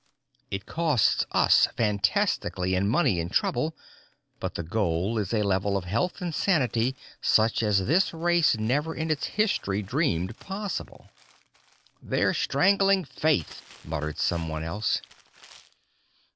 It costs us fantastically in money and trouble, but the goal is a level of health and sanity such as this race never in its history dreamed possible._ "They're stranglin' faith," muttered someone else.